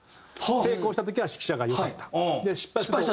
成功した時は指揮者が良かった。